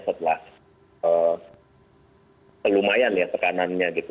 setelah lumayan ya tekanannya gitu